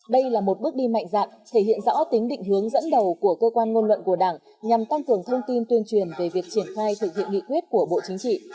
đây là một bước đi mạnh dạn thể hiện rõ tính định hướng dẫn đầu của cơ quan ngôn luận của đảng nhằm tăng cường thông tin tuyên truyền về việc triển khai thực hiện nghị quyết của bộ chính trị